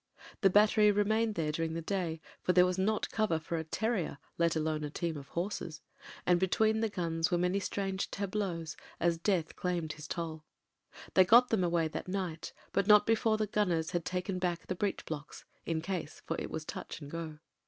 The battery remained there during the day, for there was not cover for a terrier, let alone a team of horses, and between th? gun^ were many strange tableaux as Death claimed ON THE STAFF 293 his toll. They got them away that night, but not be fore the gt^nners had taken back the breech Mocks — in case ; for it was touch and go.